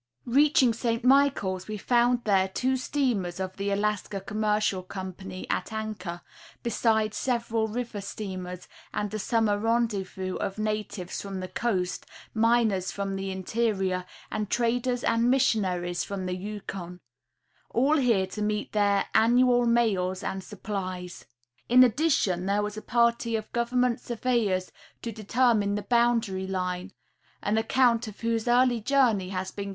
Reaching St. Michaels we found theré two steamers of the Alaska Commercial Company at anchor, besides several river steamers, and a summer rendezvous of natives from the coast, miners from the interior, and traders and missionaries from the Yukon,—all here to meet their annual mails and supplies. In addition there was a party of government surveyors to determine 'the boundary line, an account of whose early journey has been Arctic Orwise of the U. 8. 8. Thetis in 1889.